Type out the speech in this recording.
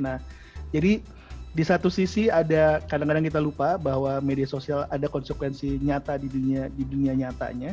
nah jadi di satu sisi ada kadang kadang kita lupa bahwa media sosial ada konsekuensi nyata di dunia nyatanya